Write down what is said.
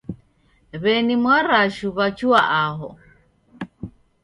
W'eni Mwarashu wachua aho.